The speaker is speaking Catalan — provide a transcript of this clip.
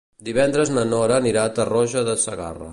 Divendres na Nora anirà a Tarroja de Segarra.